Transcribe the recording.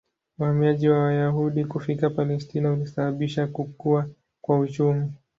Uhamiaji wa Wayahudi kufika Palestina ulisababisha kukua kwa uchumi.